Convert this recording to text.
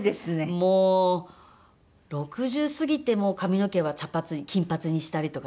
もう６０過ぎても髪の毛は茶髪金髪にしたりとかですね